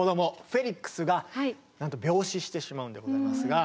フェリックスがなんと病死してしまうんでございますが。